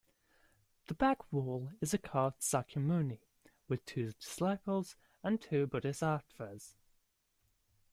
The back wall is a carved Sakyamuni, with two discliples and two bodhisattvas.